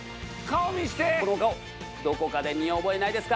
このお顔どこかで見覚えないですか？